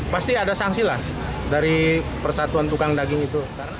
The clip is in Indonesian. pasti ada sanksi lah dari persatuan tukang daging itu